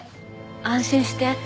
安心して。